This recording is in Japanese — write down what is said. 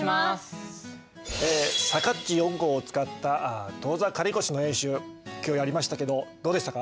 さかっち４号を使った当座借越の演習今日やりましたけどどうでしたか？